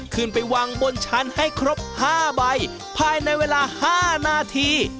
ขึ้นไปวางบนชั้นให้ครบ๕ใบภายในเวลา๕นาที